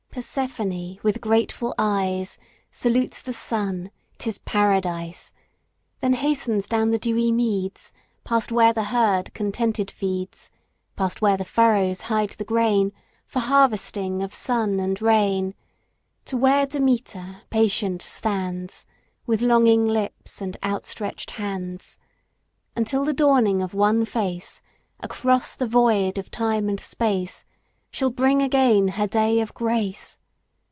Persephone with grateful eyes Salutes the Sun—'tis Paradise: Then hastens down the dewy meads, Past where the herd contented feeds, Past where the furrows hide the grain, For harvesting of sun and rain; To where Demeter patient stands With longing lips and outstretched hands, Until the dawning of one face Across the void of time and space Shall bring again her day of grace.